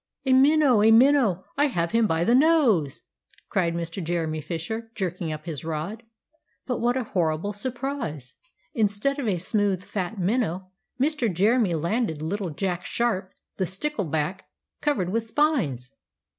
"A minnow! a minnow! I have him by the nose!" cried Mr. Jeremy Fisher, jerking up his rod. But what a horrible surprise! Instead of a smooth fat minnow, Mr. Jeremy landed little Jack Sharp the stickleback, covered with spines!